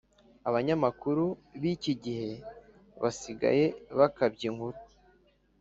abanyamakuru bikigihe basigaye bakabya inkuru